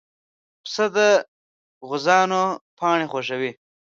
پسه د غوزانو پاڼې خوښوي.